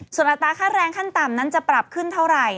ส่วนอัตราค่าแรงขั้นต่ำนั้นจะปรับขึ้นเท่าไหร่